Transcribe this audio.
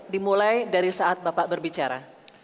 dimulai dari saat bapak berbicara